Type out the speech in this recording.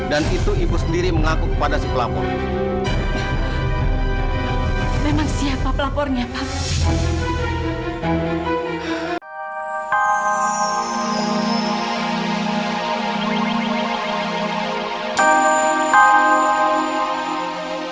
dan itu ibu sendiri mengaku kepada si pelakunya